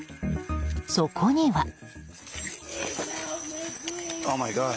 そこには。